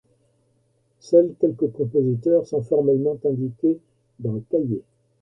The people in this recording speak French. Seuls quelques compositeurs sont formellement indiqués dans le cahier.